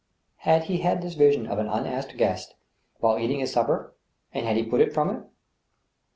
Had he had this vision of an unasked guest while eating his sup per, ... and had he put it from him